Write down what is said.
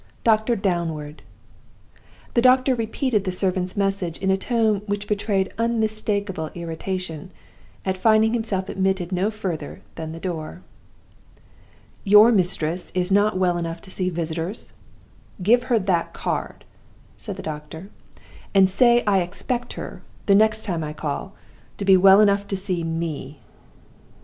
Doctor Downward! "The doctor repeated the servant's message in a tone which betrayed unmistakable irritation at finding himself admitted no further than the door. "'Your mistress is not well enough to see visitors? Give her that card,' said the doctor, 'and say I expect her, the next time I call, to be well enough to see me.